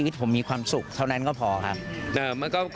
ดูถ่องตัวเนาะ